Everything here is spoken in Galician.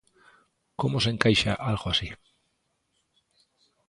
Como se encaixa algo así?